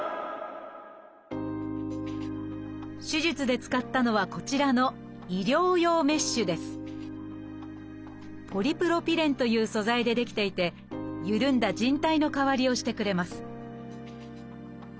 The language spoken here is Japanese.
手術で使ったのはこちらのポリプロピレンという素材で出来ていて緩んだじん帯の代わりをしてくれます